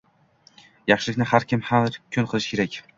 Yaxshilikni har kim, har kun qilish kerak